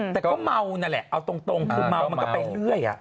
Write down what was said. แต่ก็เมานั่นแหละเอาตรงคือเมามันก็ไปเรื่อย